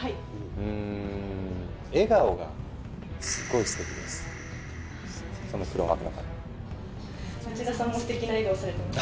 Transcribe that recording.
うーん、笑顔がすごいすてきです。